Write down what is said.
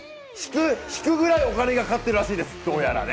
引くぐらいお金がかかっているぐらいです。